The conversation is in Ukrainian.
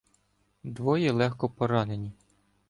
Двоє легко поранені.